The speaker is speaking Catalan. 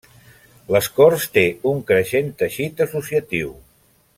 Les Corts té un creixent teixit associatiu.